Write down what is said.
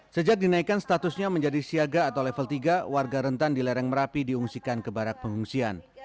sejak dinaikkan statusnya menjadi siaga atau level tiga warga rentan di lereng merapi diungsikan ke barak pengungsian